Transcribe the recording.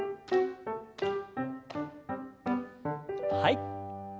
はい。